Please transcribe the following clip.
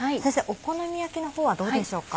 お好み焼きの方はどうでしょうか？